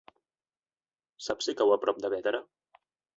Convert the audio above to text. Saps si cau a prop de Bétera?